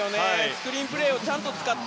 スクリーンプレーをちゃんと使い